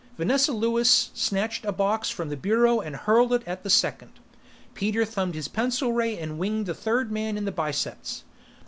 Vanessa Lewis snatched a box from the bureau and hurled it at the second. Peter thumbed his pencil ray and winged the third man in the biceps.